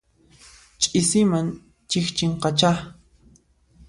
Ch'isiman chikchinqachá.